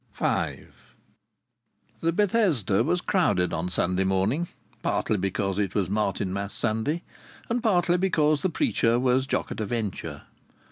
V The Bethesda was crowded on Sunday morning; partly because it was Martinmas Sunday, and partly because the preacher was Jock at a Venture.